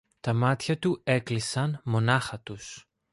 τα μάτια του έκλεισαν μονάχα τους